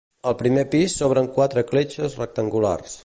Al primer pis s'obren quatre cletxes rectangulars.